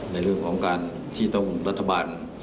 ในเรื่องของการที่ต้องรัฐบาล